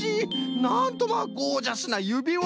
なんとまあゴージャスなゆびわ！